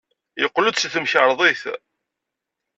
Yeqqel-d seg temkarḍit.